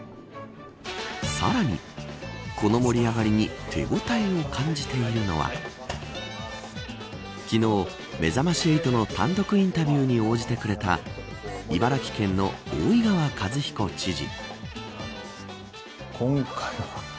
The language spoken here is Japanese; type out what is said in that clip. さらに、この盛り上がりに手応えを感じているのは昨日、めざまし８の単独インタビューに応じてくれた茨城県の大井川和彦知事。